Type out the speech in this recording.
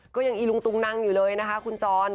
ก็ยังอิรุตรุงนั่งอยู่เลยคุณจอน